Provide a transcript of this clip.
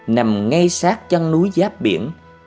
nằm ngay sát chân núi giáp biển